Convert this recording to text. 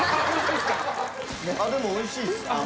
でもおいしいです。